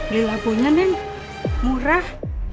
di labunya neng murah